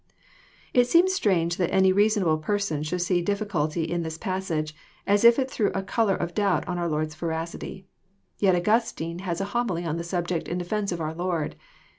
It seems strange that any reasonable person should see dif ficulty in this passage, as if it threw a colour of doubt on our Lord's veracity. Yet Augustine has a Homily on the subject in defence of our Lord.